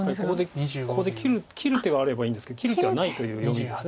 黒はここで切る手があればいいんですけど切る手はないという読みです